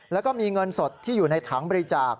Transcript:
แล้วก็มีเงินสดที่อยู่ในถังบริจาค